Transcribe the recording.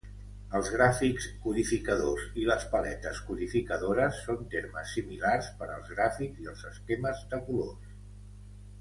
"Els gràfics codificadors" i les "paletes codificadores" són termes similars per als gràfics i els esquemes de colors.